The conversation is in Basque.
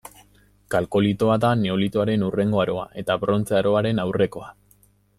Kalkolitoa da Neolitoaren hurrengo aroa, eta Brontze Aroaren aurrekoa.